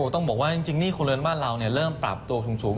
ต้องบอกว่าจริงหนี้ครัวเรือนบ้านเราเริ่มปรับตัวสูง